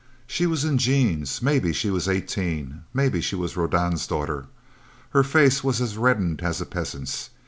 She was in jeans, maybe she was eighteen, maybe she was Rodan's daughter. Her face was as reddened as a peasant's.